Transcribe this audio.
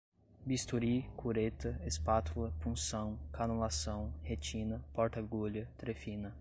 bisturi, cureta, espátula, punção, canulação, retina, porta-agulha, trefina